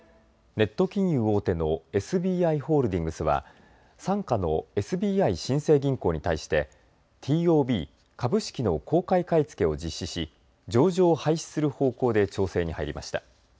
ネット金融大手のＳＢＩホールディングスは傘下のＳＢＩ新生銀行に対してＴＯＢ・株式の公開買い付けを実施し上場を廃止する方向で調整に入りました。